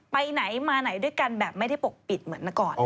ไปไหนมาไหนด้วยกันแบบไม่ได้ปกปิดเหมือนเมื่อก่อน